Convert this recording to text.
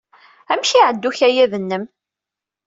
Amek ay iɛedda ukayad-nnem?